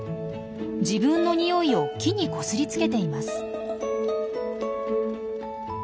自分のにおいを木にこすりつけています。